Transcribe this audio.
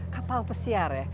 kapal pesiar ya